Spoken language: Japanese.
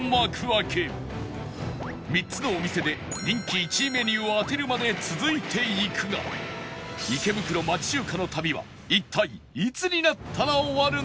３つのお店で人気１位メニューを当てるまで続いていくが池袋町中華の旅は一体いつになったら終わるのか？